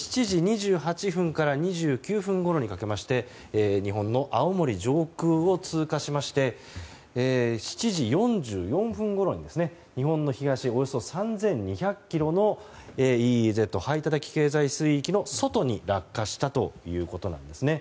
７時２８分から２９分ごろにかけまして日本の青森上空を通過しまして７時４４分ごろに日本の東およそ３２００ｋｍのＥＥＺ・排他的経済水域の外に落下したということなんですね。